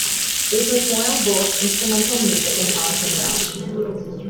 They perform both instrumental music and songs in Welsh.